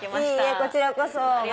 こちらこそ！